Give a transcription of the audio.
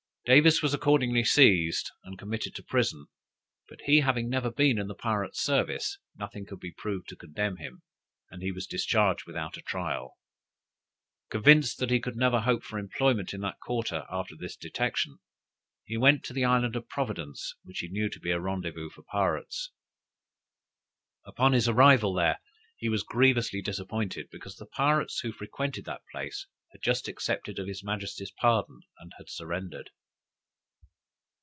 Davis was accordingly seized, and committed to prison, but he having never been in the pirate service, nothing could be proved to condemn him, and he was discharged without a trial. Convinced that he could never hope for employment in that quarter after this detection, he went to the island of Providence, which he knew to be a rendezvous for pirates. Upon his arrival there, he was grievously disappointed, because the pirates who frequented that place had just accepted of his majesty's pardon, and had surrendered.